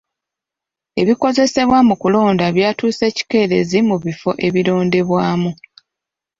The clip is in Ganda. Ebikozesebwa mu kulonda byatuuse kikeerezi mu bifo ebironderwamu.